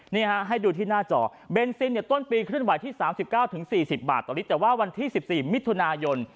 นี่ฮะให้ดูที่หน้าจอเบนซินต้นปีขึ้นไหวที่๓๙๔๐บาทตอนนี้แต่ว่าวันที่๑๔มิถุนายน